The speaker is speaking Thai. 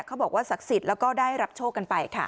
เขาบอกว่าศักดิ์สิทธิ์แล้วก็ได้รับโชคกันไปค่ะ